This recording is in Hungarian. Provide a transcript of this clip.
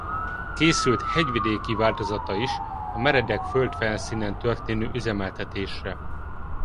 Készült hegyvidéki változata is a meredek földfelszínen történő üzemeltetésre.